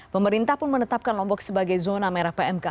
pemerintah pun menetapkan lombok sebagai zona merah pmk